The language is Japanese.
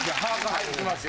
はい行きますよ